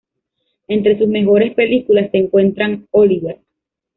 Entre sus mejores películas se encuentran "Oliver!